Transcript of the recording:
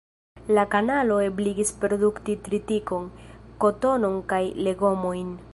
La kanalo ebligis produkti tritikon, kotonon kaj legomojn.